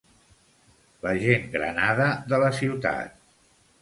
La gent granada de la ciutat.